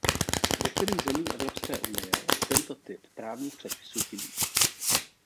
V některých zemích Evropské unie tento typ právních předpisů chybí.